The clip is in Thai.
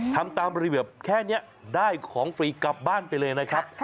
ทำตามระเบียบแค่นี้ได้ของฟรีกลับบ้านไปเลยนะครับ